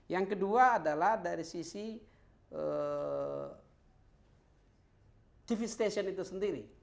yang kedua adalah dari sisi tv station itu sendiri